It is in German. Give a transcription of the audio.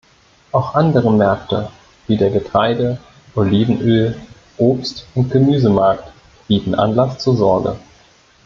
Auch andere Märkte, wie der Getreide-, Olivenöl-, Obstund Gemüsemarkt, bieten Anlass zur Sorge.